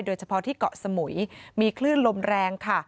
โดยเฉพาะที่เกาะสมุยมีคลื่นลมแรงค่ะ